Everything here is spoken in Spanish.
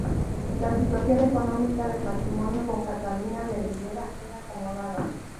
La situación económica del matrimonio con Catalina de Ribera era acomodada.